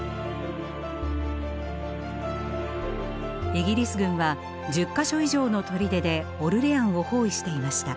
イギリス軍は１０か所以上の砦でオルレアンを包囲していました。